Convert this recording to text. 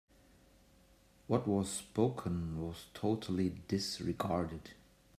What was spoken was totally disregarded.